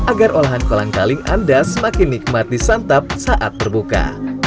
agar olahan kolang kaling anda semakin nikmat disantap saat berbuka